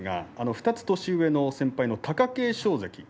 ２つ年上の先輩の貴景勝関